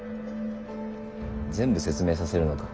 全部説明させるのか。